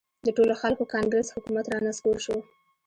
د ټولو خلکو کانګرس حکومت را نسکور شو.